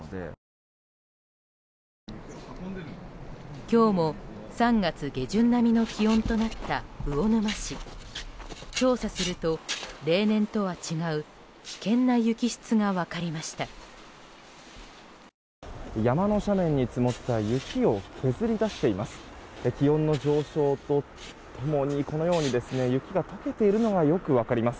山の斜面に積もった雪を削り出しています。